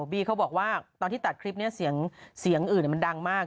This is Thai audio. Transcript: บี้เขาบอกว่าตอนที่ตัดคลิปนี้เสียงอื่นมันดังมาก